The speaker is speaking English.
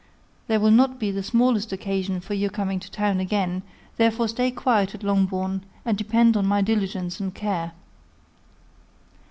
There will not be the smallest occasion for your coming to town again; therefore stay quietly at Longbourn, and depend on my diligence and care.